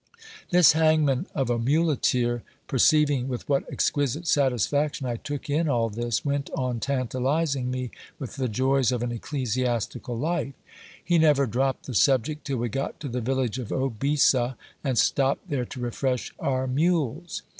This hangman of a muleteer, perceiving with what exquisite satisfaction I took in all this, went on tantalizing me with the joys of an ecclesiastical life. He never dropped the subject till we got to the village of Obisa, and stopped there to refresh our mules.